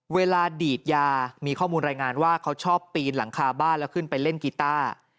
เวลาดีดยามีข้อมูลรายงานว่าเขาชอบปีนหลังคาบ้านแล้วขึ้นไปเล่นกีต้า